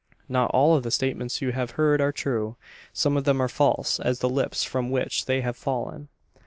"Not all of the statements you have heard are true. Some of them are false as the lips from which they have fallen."